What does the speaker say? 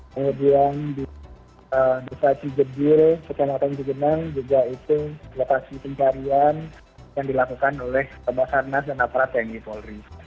kemudian di saji gejir kecamatan cugenang juga itu lokasi pencarian yang dilakukan oleh pembangsa nas dan aparat tni polri